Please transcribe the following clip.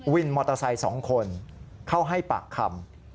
วินมอเตอร์ไซค์๒คนเข้าให้ปากคำ